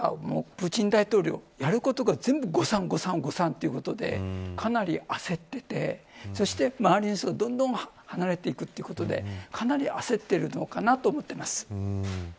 もうプーチン大統領やることが全部誤算ということでかなり焦っててそして周りの人がどんどん離れていくということでかなり焦っているのかなと思っています。